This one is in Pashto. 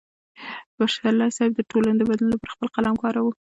پسرلی صاحب د ټولنې د بدلون لپاره خپل قلم وکاراوه.